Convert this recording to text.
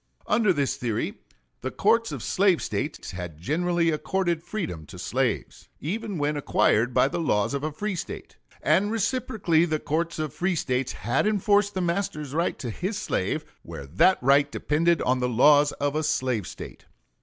Under this theory, the courts of slave States had generally accorded freedom to slaves, even when acquired by the laws of a free State, and reciprocally the courts of free States had enforced the master's right to his slave where that right depended on the laws of a slave State.